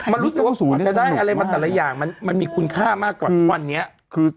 มันออกฟ้ามสูงมาง่ายเสื้อมันมีคุณค่ามากกว่าน๊ะ